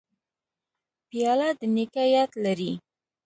پیاله د نیکه یاد لري.